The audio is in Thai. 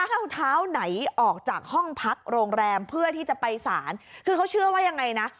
เอาเท้าไหนออกจากห้องพักโรงแรมเพื่อที่จะไปสารคือเขาเชื่อว่ายังไงนะ